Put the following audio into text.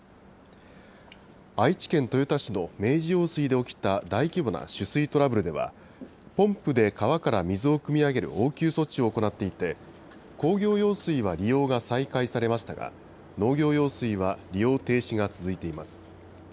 愛知県豊田市の明治用水で起きた大規模な取水トラブルでは、ポンプで川から水をくみ上げる応急措置を行っていて、工業用水は利用が再開されましたが、農業用水は利用停止が続いています。